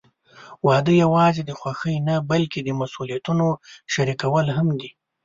واده یوازې د خوښۍ نه، بلکې د مسوولیتونو شریکول هم دي.